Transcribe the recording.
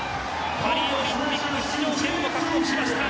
パリオリンピック出場権を獲得しました。